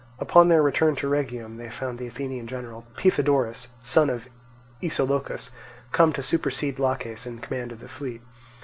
Upon their return to Rhegium they found the Athenian general, Pythodorus, son of Isolochus, come to supersede Laches in the command of the fleet.